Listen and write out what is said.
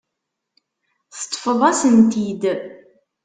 Teṭṭfeḍ-asen-t-id.